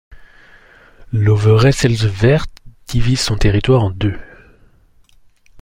L'Overijsselse Vecht divise son territoire en deux.